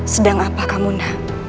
sedang apa kamu nak